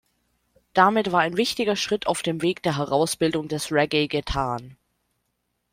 Damit war ein wichtiger Schritt auf dem Weg der Herausbildung des Reggae getan.